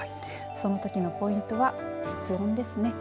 その時のポイントは室温ですね。